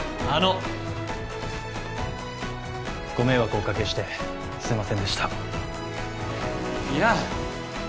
あのご迷惑をおかけしてすいませんでしたいや